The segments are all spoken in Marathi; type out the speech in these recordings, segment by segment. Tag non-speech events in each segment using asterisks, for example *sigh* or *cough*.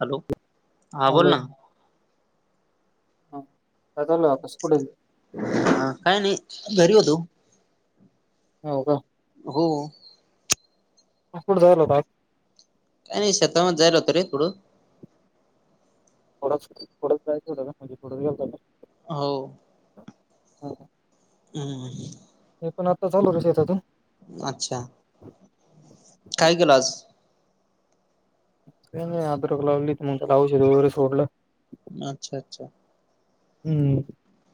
हॅलो हा बोल हॅलो ना. काय चालू आहे आकाश कुठे ह काय नाही घरी होतो. हो का. हो कुठ झाला *unintelligible* का नाही शेताात जायला होतो रे थोडं थोडंच थोडच जायचं होतं का म्हणजे थोडं गेल हो का हो. हो. हम्म. हे पण आता चालो होतो शेतातून अच्छा! काय केलं आज? नाही अद्रक लावली मग त्या औषध वगैरे सोडलं अच्छा अच्छा. हम्म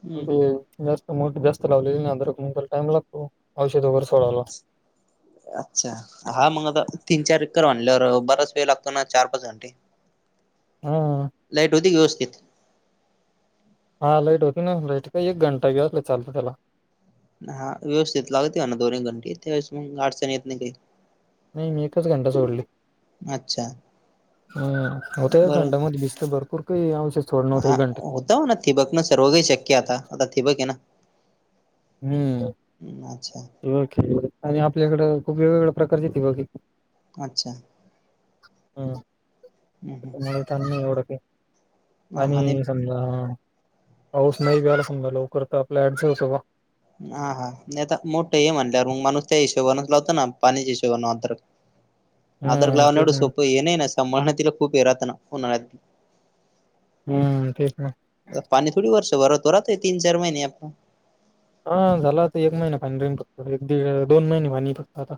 हम्म मग ते मोठ जास्त लावलेली अद्रक टाइम लागतो औषध वगैर सोडयला. अच्छा! हा मग आता तीन चार एकर म्हंटल्यावर बराच वेळ लागतो ना चार पाच घंटे. हम्म लाईट होती का व्यवस्थित हा लाईट होती ना लाईट काही एक घंटा घेला चालत त्याला. हा व्यवस्थित लागते ना दोन्ही घंटी त्या वेळेस मंग अडचण येत नाही काही. नाही मी एकच घंटा सोडली. अच्छा हम्म होतो एक बरं घंटा मध्ये बीसतं भरपूर काही आवशया सोड नव्हतं घंट्या. ताव ती बघ ना सर्व काही शक्य आता ती बघ आहे ना. हम्म अच्छा *unintelligible* आणि आपल्याकडं खूप वेगवेगळ्या प्रकारची तेे ब की. अच्छा. हम्म. हम्म मला तान नाही एवढं काय हा नाही आणि समजा पाऊस नाही बी आला समजा लवकर तर आपल्या ऍडसो होतो गं. हा हा नाही आता मोठं हे म्हटल्यावर मग माणूस त्या हिशोबानेच लावत ना पाण्याच्या हिशोबाने आद्रत. आद्रत हम्म लावनं तेच एवढं ना सोपं ये नाही ना सांभाळाना तिला खूप ये राहात ना उन्हाळत. हम्म तेच ना. पाणी थोडी वर्ष भरतो राहतोय राहतोय तीन चार महिने आता. हा झाला आता एक महिना *unintelligible* एक दीड दोन महिने वाणी फक्त आता.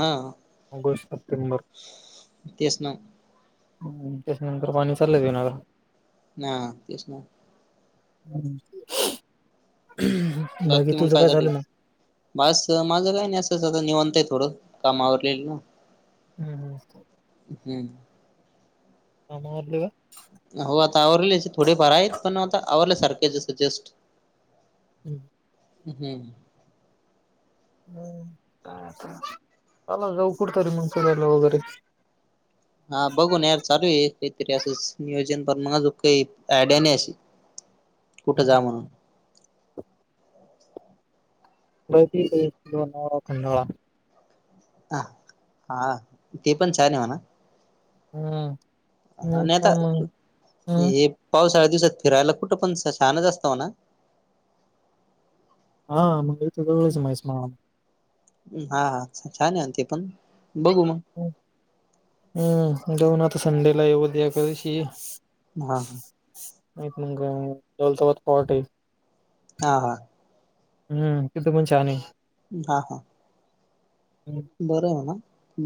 हा ऑगस्ट, सप्टेमबर तेच ना त्याच्यनंतर पाणी चाललं देणार. ना तेच ना. हम्म. बाकी मग तुझं काय झाल चालू आहे मग? बस माझं काही नाही असंच आता निवांत आहे थोडं कामावरले याले ना. हम्म हम्म मस्त. हम्म. कामा आवरले का? हो आता आवरलेस थोडेफार आहेत पण आता आवरल्यासारखे जसं जस्ट. हम्म. हम्म. हम्म काय आता चला जाऊ कुठतरी मंग फिरायला वगैरे. हा बघून यार चालू आहे काहीतरी असस नियोजन पण मग अजूक काही आयडिया नाही अशी कुठे हं. जाय म्हणून. *unintelligible* लोनावळा, खंडाळा. आह आ हा ते पण छान आहे म्हणा. हम्म. हा आणि आता काय मग हम्म हे पावसाळ्या दिवसात फिरायला कुठं पण असं छानच असताव ना. हा. *unintelligible* हा हा छान आहे ते पण, बघू म. हम्म जाऊ ना तर आता संडेला, उद्या करीशी. *unintelligible* माहित मंग दौलताबाद पॉर्ट आहे. हा हा. हम्म तिथं पण छान आहे. हा हा. हम्म. बरं आहे ना,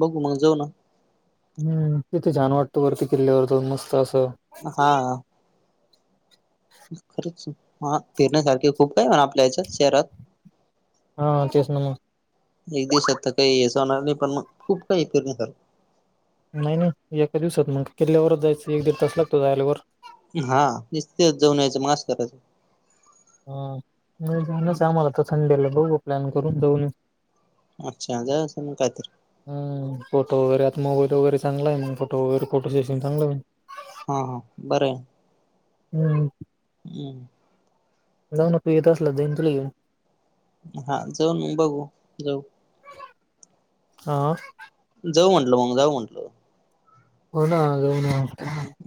बघू मग जेवना. हम्म तिथे छाण वाटतं, वरती किल्ल्यावर तर मस्त असं. हा हा खरंच, फिरण्यासारखे खूप काय याच्यात शहरात हा तेच ना मग एक दिवस आता, काही याचं होणार नाही पण मग खूप काही पिरन्या सारखं. नाही नाही, एका दिवसात मग किल्ल्यावरच जायचं एक दीड तास लागतो जायला वर. हा, नुसतेच जाऊन यायचं मग आस करायचं. हा, मी जावुनच आम्हाला तर संडेला बघु प्लॅन करून जाऊन ऐउ. *inaudible* हं, फोटो वगैरे आता मोबाईल वगैर चांगला आहे, मग फोटो वगैरे फोटो शेशन चांगलं हा हा, बरय. हम हम्म. जाऊना तु येत असला जाईन तुला घेऊन. हा, जाऊन बघू, जाऊ. हा जाऊ म्हटलं मग जाऊ म्हटलं. हो ना जाऊ ना,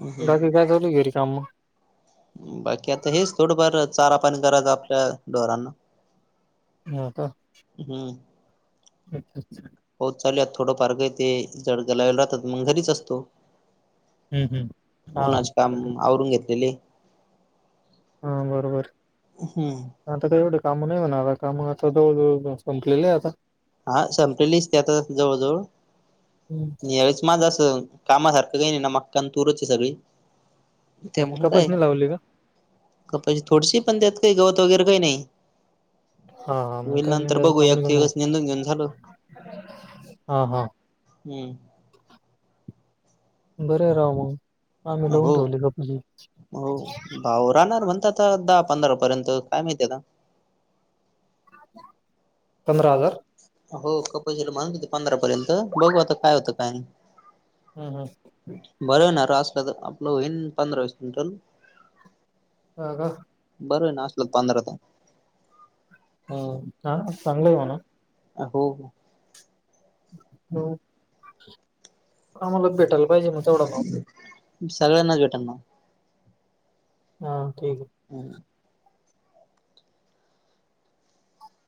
हम्म बाकी काय चालूय घरी कामं. बाकी आता हेच थोडंफार, चारा पाणी करायचं आपल्या ढोरांना. होका. हम्म, *inaudible* हो चालुयात, थोडं फार काय ते जड दगदग राहतात मग घरीच असतो. हं, हं. हां. उन्हाच काम हॅलो. आवरून घेतलेले. हा बरोबर. हम्म आता काय एवढे कामं नाही होणार, कामं आता जवळ जवळ संपलेलं आहे आता. हा, संपलेलीच ते आता जवळ जवळ हं. माझं अस, कामासारखं काही नाही ना मक्का आण तूरच आहे सगळी. त्या अच्छा म्हणु काय, कपासणी लावली का? कपाशी थोडीशी, पण त्यात काही गवत वगैरे काही नाही. हां, हां. मग होईल काय नंतर निंदायचं काम बघूया तो नाही का मग. एकदिवस हां, हां. *inaudible* बर आहे राव मग, आम्ही लावून हो ठेवली कपाशी. हो, भाऊ राहणार म्हणतात आता दहा पंधरा पर्यंत, काय माहिती आता. हो, कपाशीला म्हणत होते पंधरा पर्यंत, बघू आता काय होतं काय. हं, हं. बरं आहे ना यास असलं, तर आपलं होईन पंधरा वीस क्विंटल. हां का? बरं हे ना असलं पंधराचा ह हा चांगलं हे म्हणा अ हो हो हॅलो आम्हाला भेटायला पाहिजे मग तेवढ काम सगळ्यांनाच भेटल ना हा ठीक आहे. हम्म